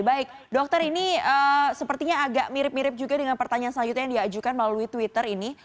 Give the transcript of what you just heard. baik dokter ini sepertinya agak mirip mirip juga dengan pertanyaan selanjutnya yang diajukan melalui twitter ini